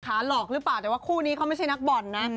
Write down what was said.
หลอกหรือเปล่ากนนี้เขาไม่ใช่นักบอลนะ